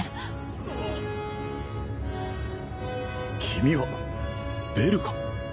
君はベルか？